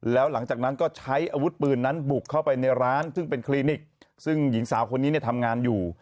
แล้วหลังจากนั้นก็ใช้อาวุธปืนนั้นบุกเข้าไปในร้านซึ่งเป็นคลินิกซึ่งหญิงสาวคนนี้เนี่ยทำงานอยู่